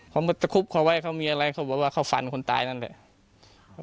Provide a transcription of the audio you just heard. ผมก็จะคุบความว่าเขามีอะไรเขาบอกว่าเขาฟันคนตายนั่นแหละ